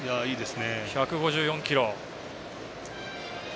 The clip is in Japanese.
１５４キロ。